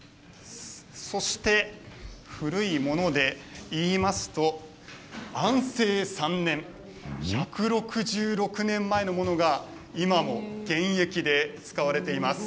そして古いものでいいますと安政３年１６６年前のものが今も現役で使われています。